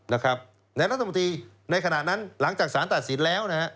เดนรัฐบาลปธิในขณะนั้นหลังจากสารตัดสินแล้ว